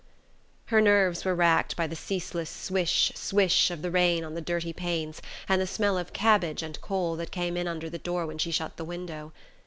Her nerves were racked by the ceaseless swish, swish of the rain on the dirty panes and the smell of cabbage and coal that came in under the door when she shut the window.